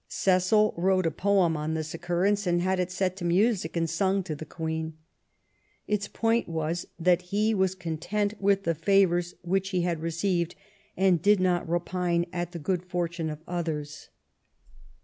Cecil wrote a poem on this occurrence, and had it set to music and sung to the Queen. Its point was that he was content with the favours which he had received, and did not repine at the good fortune of others.